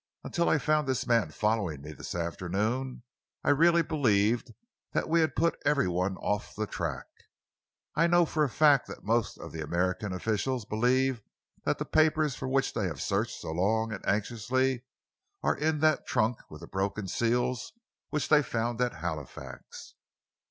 Until I found this man following me this afternoon, I really believed that we had put every one off the track. I know for a fact that most of the American officials believe that the papers for which they have searched so long and anxiously are in that trunk with the broken seals which they found at Halifax."